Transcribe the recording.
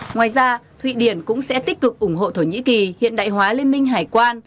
ngoài ra thụy điển cũng sẽ tích cực ủng hộ thổ nhĩ kỳ hiện đại hóa liên minh hải quan